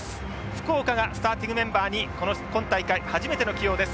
福岡がスターティングメンバーに今大会初めての起用です。